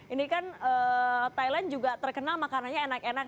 ini kan thailand juga terkenal makanannya enak enak